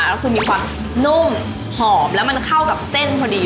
ก็คือมีความนุ่มหอมแล้วมันเข้ากับเส้นพอดี